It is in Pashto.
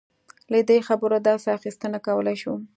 له دې خبرو داسې اخیستنه کولای شو.